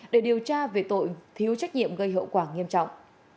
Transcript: để điều tra về tội thiếu trách nhiệm gây hậu quả nghiêm trọng